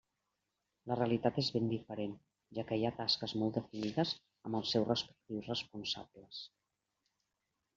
La realitat és ben diferent, ja que hi ha tasques molt definides amb els seus respectius responsables.